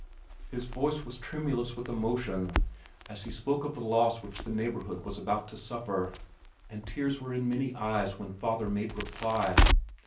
His voice was tremulous with emotion as he spoke of the loss which the neighborhood was about to suffer, and tears were in many eyes when father made reply.